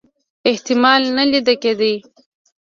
احتمال نه لیده کېدی.